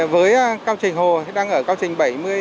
với cao trình hồ đang ở cao trình bảy mươi tám sáu